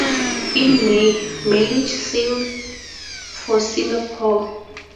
In May "Mellish" sailed for Singapore.